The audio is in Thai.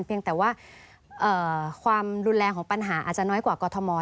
เพียงแต่ว่าความรุนแรงของปัญหาอาจจะน้อยกว่ากรทม